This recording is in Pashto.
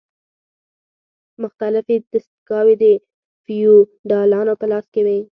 مختلفې دستګاوې د فیوډالانو په لاس کې وې.